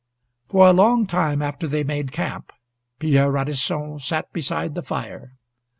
For a long time after they made camp Pierre Radisson sat beside the fire.